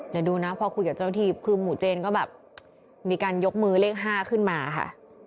เดี๋ยวดูนะพอคุยกับเจ้าหน้าที่คือหมู่เจนก็แบบมีการยกมือเลข๕ขึ้นมาค่ะ